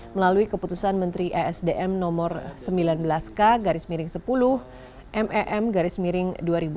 melalui keputusan menteri esdm nomor sembilan belas k garis miring sepuluh mem garis miring dua ribu dua puluh